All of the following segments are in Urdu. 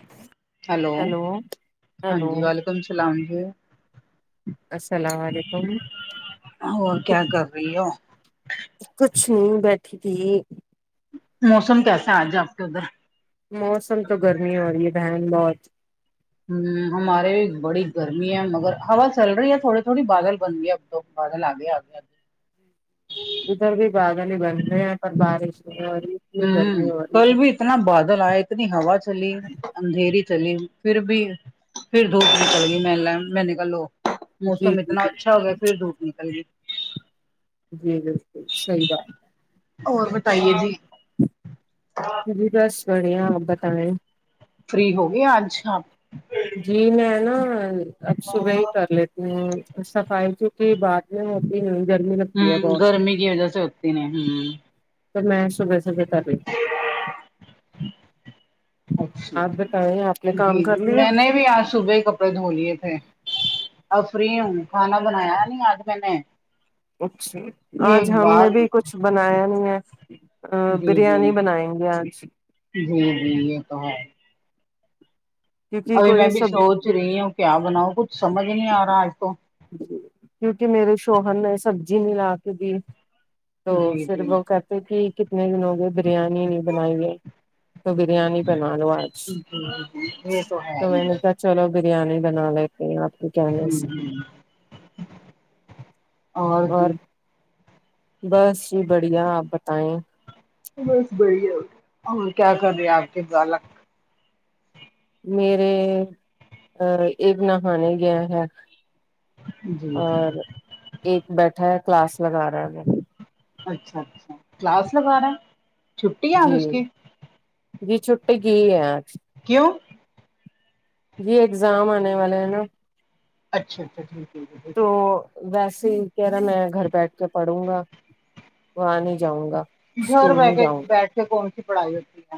جی [inaudible] ہلو ہاں جی ولیکم سلام جی السلام علیکم اور کیا کر رہی ہو کچھ نہیں بیٹھی تھی موسم کیسا ہے آج آپ کے ادھر موسم تو گرمی ہو رہی ہے بہن بہت ہمم ہمارے بڑی گرمی ہے مگر ہوا چل رہی ہے تھوڑی تھوڑی بادل بن گئی اب تو بادل آ گیا اب [unintelligible] ار بھی بادل ہی بنتے ہیں پر بارش نہیں ہوری ہوں کل بھی اتنا بادل آیا اتنی ہوا چلی اندھیری چلی پھر بھی پھر دھوپ نکل گی میں میں نکل لو جی موسم جی اتنا جی اچھا ہو گیا پھر دھوپ نکل گی جی بالکل صحیح بات اور بتائیے جی جی بس بڑھیا آپ بتائیں فری ہوگی آج آپ جی میں نہ اب صبح ہی کر لیتی ہوں صفائی کیوکنہ بات یہی ہوتی گرمی لگتی ہے ہ بہت گرمی کی وجہ سے ہوتی نہیں تو میں صبح صبح کر لے اچھا آپ بتائیں آپ نے جی کام کر جی لیا میں نے بھی آج صبح کئے دھو لیے تھے اب فری ہیں کھانا بنایا نہیں آج میں نے اچھا یہ آج ایک ہم بار نے بھی کچھ بنایا نہیں ہے ہاں جی جی بریانی بنائیں گے آج جی جی یہ تو ہے کیونکہ ابھی میں کوئی بھی سب سوچ رہی ہوں کیا بناؤ کچھ سمجھ نہیں آ رہا آج تو کیونکہ میرے شوہر نے سبزی نہیں لا کے دی تو جی پھر جی وہ کہتے تھی کتنے دن ہوگے بریانی نہیں بنائی ہے تو بریانی بنا لو آج جی جی یہ ہے تو میں ہی نے ہ کہ چلو بریانی بنا لیتی ہو آپ کے کہنے سے اور بس جی بڑھیا آپ بتائیں بس بڑھیا اور کیا کر رہے ہیں آپ کے بلک میرے ایک نہانے گیا ہے جی جی اور ایک بیٹھا ہے کلاس لگا رہا ہے وہ اچھا اچھا کلاس لگا رہا ہے چھٹی ہے آج جی اس کی جی چھٹی گی ہے آج کیوں جی اگزام آنے والے ہیں نا اچھا اچھا جی تو ویسے ہی کہہ رہا میں گھر بیٹھ کے پڑوں گا وہاں نہیں جاؤں گا گھر اسکول نہیں بیٹھے جاؤں گا بیٹھ کے کون سی پڑھائی ہوتی ہے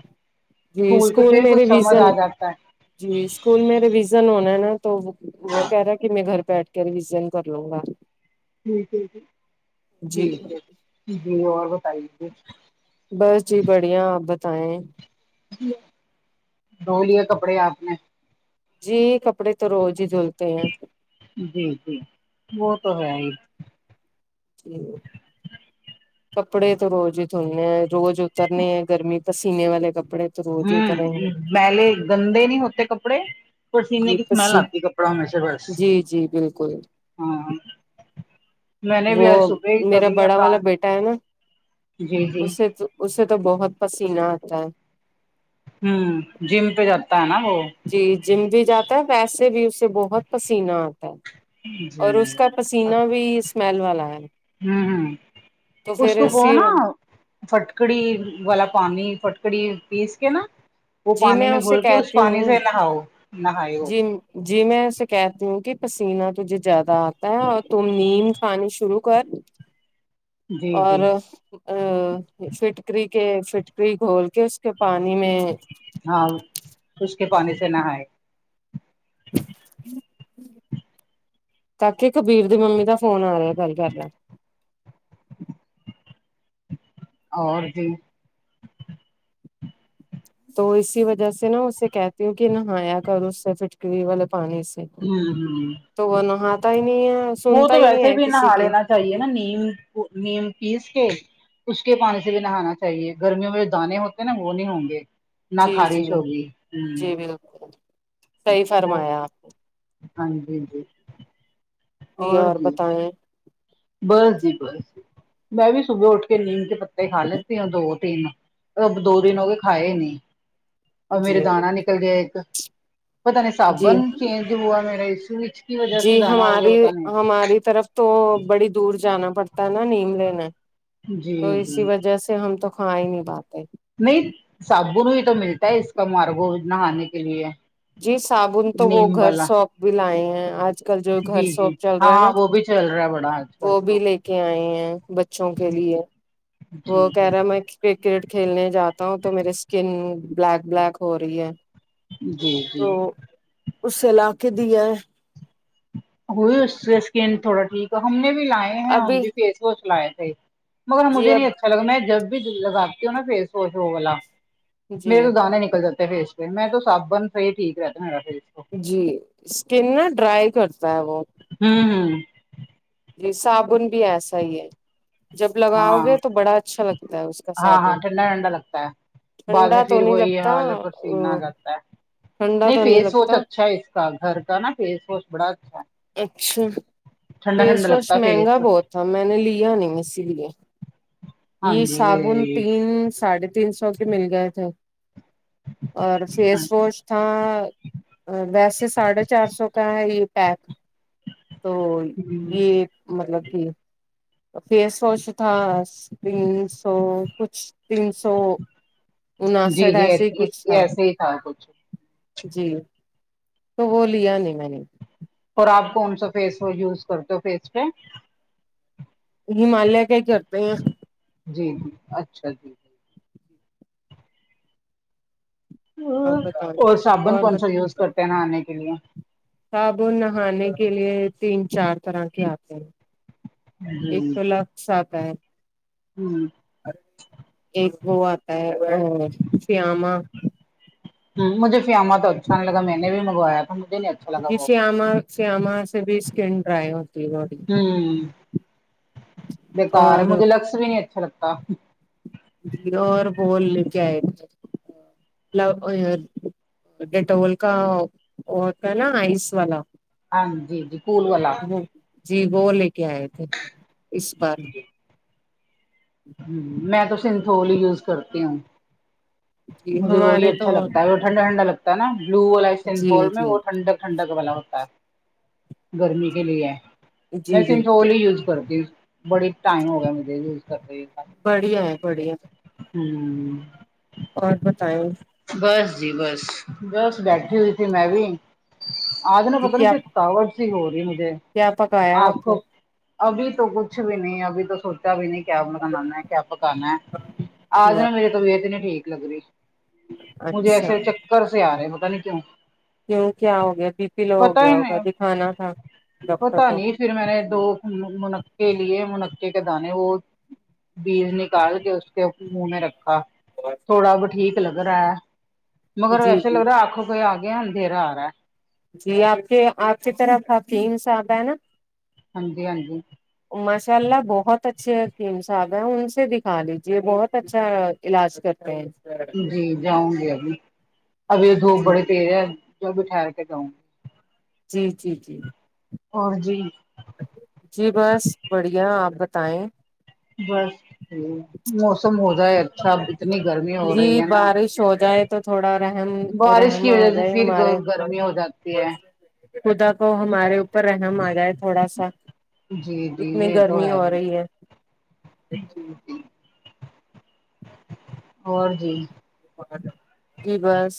جی اسکول تو اسکول پھر میں کچھ سمجھ ریویژن آ جاتا ہے جی اسکول میں ریویزن ہونا ہے نا تو وہ وہ کہہ رہا ہے کہ میں گھر پہ بیٹھ کے ریوزن کر لوں گا بالکل ٹھیک ہے جی ٹھیک ہے جی اور بتائے بس جی بڑھیا آپ بتائیں دھو لیے کپڑے آپ نے جی کپڑے تو روز ہی دھلتے ہیں جی جی وہ تو ہیں ہی جی کپڑے تو روز ہی دھونے ہیں روز اترنے ہیں گرمی پسینے والے کپڑے تو روز ہی ھممم اتریں گے ملے گندے نہیں ہوتے کپڑے پسینے جی کی اسمیل پسی آتی ہے کپڑوں میں سے بس جی جی بالکل ھممم وہ میرا بڑا والا کام بیٹا ہے نہ جی جی اسے تو اسے تو بہت پسینہ آتا ہے ھممم جیم پہ جاتا ہے نہ وہ جی جیم بھی جاتا ہے ویسے بھی اسے بہت پسینہ آتا ہے اور جی اس کا پسینہ بھی اسمیل والا ہے ھممم تو اس پھر کو وہ اسی نہ فٹکڑی والا پانی فٹکڑی پیس کے نا وہ جی پانی میں اسے گھول کے اس پانی سے نہاؤ نہائے ہو جیم جی میں اسے کہتی ہوں کہ پسینہ تجھے زیادہ آتا ہے اور تم نیم کھانی شروع کر جی اور جی ا فٹکری کے فٹکری گھول کے اس کے پانی میں ہاں اس کے پانی سے نہائے تاک کبیر دی ممی کا فون آ رہیا ہے گل کر ل [unintelligible] اور ج تو اسی وجہ سے نا اسے کہتی ہوں کہ نہایا کروں اس سے فٹکری والے پانی سے ہوں ہ تو وہ نہاتا ہی نہیں ہے سنتا ہی نہیں ہے کسی کی کھائیے نا نیم نیم پیس کے اس کے پانی سے بھی نہانا چاہیے گرمیوں میں جو دانے ہوتے ہیں نا وہ نہیں ہوں گے نہ جی جی خارش ہوگی جی بالکل صحیح ہمم فرمایا آپ ہاں جی ہاں جی جی یار بتائیں بس جی بس میں بھی صبح اٹھ کے نیم کے پتے کھا لیتی ہوں دو تین اب دو دن ہو گئے کھائے نہیں اور میرے جی دانا نکل گیا ایک پتہ نہیں جی صابن چینج ہوا میرایشو جی ہماری ہماری طرف تو بڑی دور جانا پڑتا ہے نا نیم لینے جی تو جی اسی وجہ سے ہم تو کھا ہی نہیں پاتے نہیں صابن بھی تو ملتا ہے اس کا مارگو نہانے کے لیے جی صابن تو وہ نیم گھر والا سوپ بھی لائے ہیں آج آج کل جو گھر جی سوپ جی چل رہا ہے نا ہاں وہ بھی چل رہا ہے بڑا آج کل وہ بھی تو لے کے آئے ہیں ب چوں کے لیے وہ جی کہہ جی رہا میں کرکٹ کھیلنے جاتا ہوں تو میرے اسکن بلیک بلیک ہو رہی ہے جی تو جی اسے لا کے دیا ہے وہ اس سے اسکن تھوڑا ٹھیک ہے ہم نے بھی لائے ہیں ہم ابھی بھی فیس واش لائے تھے مگر جی مجھے اب نہیں اچھا لگا میں جب بھی دل لگاتی ہوں نا فیس واش وہ والا جی میرے تو دانے نکل جاتے ہیں فیس پہ میں تو صابن ہی ٹھیک رہتا ہے میرا فیس کو جی اسکن نا ڈرائی کرتا ہے وہ ہممم جی صابن بھی ایسا ہی ہے جب لگاؤ ہاں گے تو بڑا اچھا لگتا ہے اس کا ہاں ہاں صابن ٹھنڈا ٹھنڈا لگتا ہے بعد ٹھنڈا میں تو پھر نہیں وہی لگتا حال ا پسینہ آ جاتا ہے ٹھنڈا تو نہیں فیس لگتا واش اچھا ہے اس کا گھر کا نا فیس واش بڑا اچھا ہے اچھا ٹھنڈا فیس ٹھنڈا واش لگتا ہے مہنگا فیس بہت تھا میں نے لیا نہیں اسی لیے ہاں یہ صابن جی تین ساڑھے تین سو کے مل گئے تھے اور فیس واش ہاں ویسے ساڑھے چار سو کا ہے یہ پیک تو یہ مطلب کہ فیس واش تھا س تین سو کچھ تین سو جی انسٹھ جی ایسے ہی کچھ تھا ایسے ہی تھا کچھ جی تو وہ لیا نہیں میں نے اور آپ کون سا فیس واش یوز کرتے ہو فیس پہ ہمالیہ کا ہی کرتے ہیں جی جی اچھا جی آپ اور بتاؤ اور صابن کون سا یوز کرتے ہیں نا نہانے کے لیے صابن نہانے کے لیے تین چار طرح کے آتے ہیں ایک تو لکس آتا ہے ہوں ایک وہ آتا ہے ا فیامہ ہاں مجھے فیامہ تو اچھا نہیں لگا میں نے بھی منگوایا تھا مجھے نہیں اچھا لگا جی وہ صیامہ صیامہ سے بھی اسکن ڈرائی ہوتی ہے باڈی ہوں بیکار اور مجھے لکس بھی نہیں اچھا لگتا ڈیور رول لیکے اۓ مجھے ڈیٹول کا ہوتا ہے نہ آئس والا ہاں جی جی کوول وال ہوں جی وہ لے کے آئے تھے اس بار میں تو سنتھول ہی یوز کرتی ہوں جی مجھے وہی ہمارے اچھا تو لگتا ہے وہ ٹھنڈا ٹھنڈا لگتا نہ بلیو والا جی سنتھول میں جی وہ ٹھڈنک ٹھنڈک والا ہوتا گرمی کے لیے میں جی بالکل سینتھول ہی یوز کرتی ہوں بڑی ٹائم ہوگیا مجھے یوز کرتے ہوئے بڑھیا ہے بڑھیا ہوں اور بتائیں بس جی بس بس بیٹھی ہوئی تھی میں بھی آج نہ پتا نہیں کیا تھاکاوٹ سی ہو رہی مجھے کیا پکایا آپ کو ابھی تو کچھ بھی نہیں ابھی تو سو چا بھی نہیں کیا بنانا کیا پکانا ہے آج نے نہ میری طبیعت نہیں ٹھیک لگ رہی مجھے اچھا ایسے چکر سے آرہے ہیں پتا نہیں کیوں کیوں کیا ہو گیا بی پی لو ہو پتا گیا ہی ہوگا نہیں دکھانا تھا ڈاکٹر پتا کو نہیں پھر میں نے دو منقے لیے منقے کے دانے وہ بیج نکال کے اس کے او منہ میں رکھا کب آے تھوڑا اب ٹھیک لگ رہا ہے مگر جی ایسے جی لگ رہا ہے آنکھوں کے آگے اندھیرا آرہا ہے جی آپ کے آپ کی طرف حکیم صاحب ہے نہ ہاں جی ہاں جی ماشاء اللہ بہت اچھے حکیم صاحب ہیں ان سے دکھا لیجیے بہت اچھا علاج کرتے ہیں جی جاؤں گی ابھی ابھی یہ دھوپ جی بڑے تیز ہے جو بھی ٹھہر کے جاؤں جی جی جی اور جی جی بس بڑھیا آپ بتائیں بس ہوں موسم ہو گیا اچھا ابھی اتنی گرمی ہو رہی جی ہے نہ بارش ہو جائے تو تھوڑا رحم بارش کی رحم وجہ آ سے جائے پھر گ گرمی ہو جاتی تی ہے خود اب وہ ہمارے اوپر رہم آ جائے تھوڑا سہ جی جی اتنی یہ تو گرمی ہو ہی رہی ہے جی جی اور جی جی بس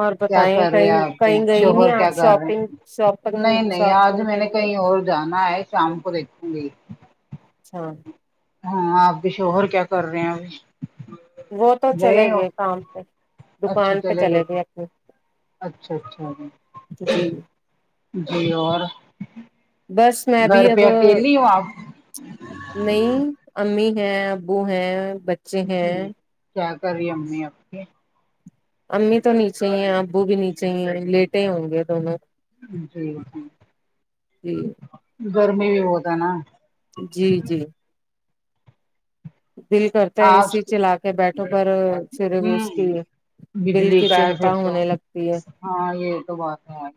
اور کیا بتائیں کر رہے کہیں آپ کے کہیں گئی نہیں شوہر کیا آج کر رہے ہیں شاپنگ نہیں شاپنگ نہیں آج شاپنگ میں نے کرنے کہیں اور جانا ہے شام کو دہکھونگی اچھا ہاں آپ کے شوہر کیا کر رہے ہیں اب وہ تو چلے گئے کام پہ دکان پہ چلے گئے اپنی اچھا اچھا جی جی اور بس میں گھر بھی پہ اب اکیلی ہو آپ نہیں امی ہیں ابو ہیں ب چے ہیں کیا کر رہی امی آپ کی امی تو نیچے ہی ہیں ابو بھی نیچے ہی ہیں لیٹے ہوں گے دونوں جی جی جی گرمی بھی بہت ہے نا جی جی دل کرتا ہے اے آج سی چلا کے بیٹھوں پر پھر ہوں اس کی دل بجلی کی کا ہے چنتا پھر تو ہونے لگتی ہے ہاں یہ تو بات ہے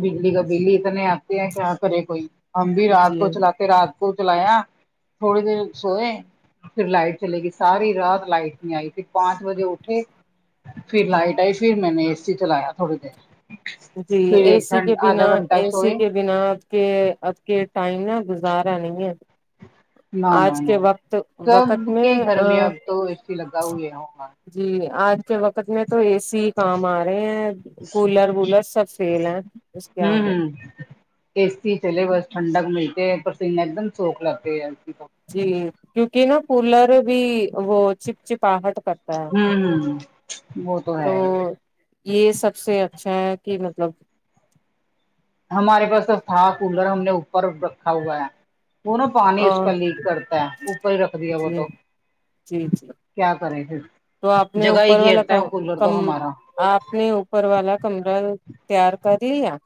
بجلی کا بل اتنے آتے ہیں کیا کرے کوئی ہم بھی رات جی کو چلاتے رات کو چلایا تھوڑی دیر سوئے پھر لائٹ چلے گی ساری رات لائٹ میں آئی پھر پانچ بجے اٹھے پھر لائٹ آئی پھر میں نے اے سی چلایا تھوڑی دیر جی پھر اے ایک سی گھن کے آدھا بنا گھنٹہ اے سی سوئے کے بنا کہ اب کے ٹائم نا گزارا نہیں ہے نہ نہ آج نہ کے وقت وقت سب میں کے ا گھر میں اب تو اے سی لگا پچ ہوئے ہوگا جی آج کے وقت میں تو اے سی کام آ رہے ہیں کولر ولر سب فیل ہے اس کے ہوں آگے ہوں اے سی چلے بس ٹھنڈک ملتی ہے پسینے ایک دم سوکھ لگتے ہے آدمی کو جی کیونکہ نا کولر بھی وہ چپچپاہٹ کرتا ہے ہوں بہت تو یہ سب سے اچھا ہے کہ مطلب ہمارے پاس سب تھا کولر ہم نے اوپر رکھا ہوا ہے وہ نا پانی اس ا کا لیک کرتا ہے اوپر ہی رکھ دیا وہ جی تو جی جی کیا کریں پھر تو آپ نے جگہ اوپر ہی والا گھیرتا ہے وہ ک کولر کم تو ہمارا آپ نے اوپر والا کمرہ تیار کر لیا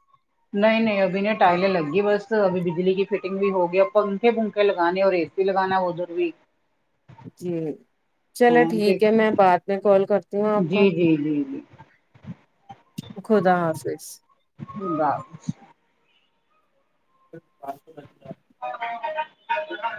نہیں نہیں ابھی نہیں ٹائلیں لگ گی بس ابھی بجلی کی فٹنگ بھی ہوگیا پنکھے پنکھے لگانے اور اے سی لگانا ادھر بھی جی چلو ہاں ٹھیک دیک ہے میں بعد میں کال کرتی ہوں آپ کو جی جی جی خدا حافظ خدا حافظ [unintelligible] [inaudible]